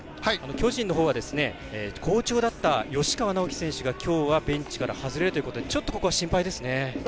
巨人のほうは好調だった吉川尚輝選手がきょうはベンチから外れるということでここは心配ですね。